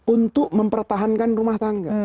untuk mempertahankan rumah tangga